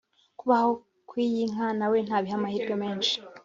kubaho kw’iyi nka nawe ntabiha amahirwe menshi